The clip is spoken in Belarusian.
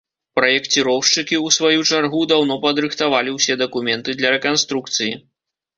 Праекціроўшчыкі, у сваю чаргу, даўно падрыхтавалі ўсе дакументы для рэканструкцыі.